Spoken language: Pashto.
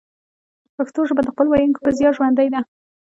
پښتو ژبه د خپلو ویونکو په زیار ژوندۍ ده